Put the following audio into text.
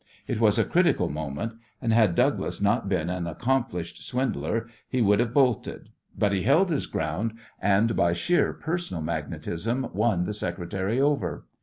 It was a critical moment, and had Douglas not been an accomplished swindler he would have bolted, but he held his ground, and by sheer personal magnetism won the secretary over.